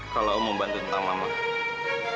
kalau om membantu nia akan berjaya